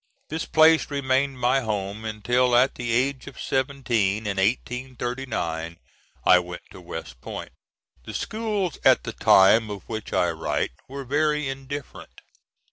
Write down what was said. This place remained my home, until at the age of seventeen, in 1839, I went to West Point. The schools, at the time of which I write, were very indifferent.